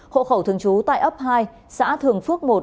hộ khẩu thường trú tại ấp hai xã thường phước một